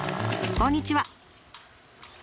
こんにちは。